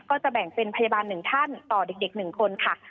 ก็จะแบ่งเป็นพยาบาลหนึ่งท่านต่อเด็กหนึ่งคนค่ะ